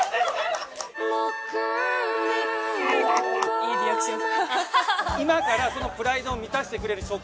・いいリアクション。